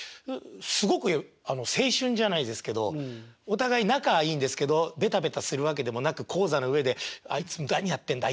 すごく青春じゃないですけどお互い仲はいいんですけどベタベタするわけでもなく高座の上であいつ何やってんだ